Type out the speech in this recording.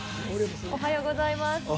おはようございます。